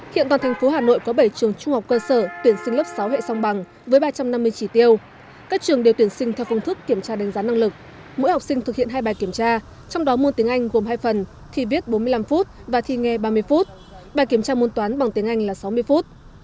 hiện toàn thành phố hà nội có bảy trường trung học cơ sở tuyển sinh lớp sáu hệ song bằng với ba trăm năm mươi chỉ tiêu các trường đều tuyển sinh theo phong thức kiểm tra đánh giá năng lực mỗi học sinh thực hiện hai bài kiểm tra trong đó môn tiếng anh gồm hai phần thi viết bốn mươi năm phút và thi nghe ba mươi phút bài kiểm tra môn toán bằng tiếng anh là sáu mươi phút